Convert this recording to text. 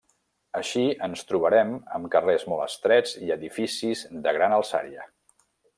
Així ens trobarem amb carrers molt estrets i edificis de gran alçària.